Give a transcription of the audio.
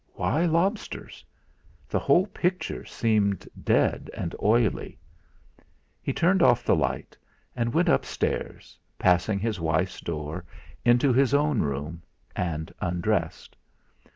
Why lobsters? The whole picture seemed dead and oily. He turned off the light, and went upstairs, passed his wife's door, into his own room, and undressed.